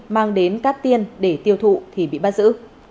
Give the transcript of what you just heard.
mang đến cát tiên để tiêu thụ thì bị bắt giữ